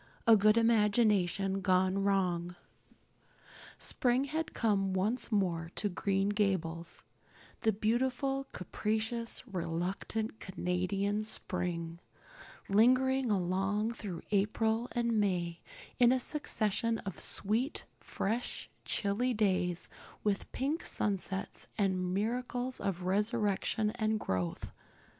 A Good Imagination Gone Wrong SPRING had come once more to Green Gables the beautiful capricious, reluctant Canadian spring, lingering along through April and May in a succession of sweet, fresh, chilly days, with pink sunsets and miracles of resurrection and growth.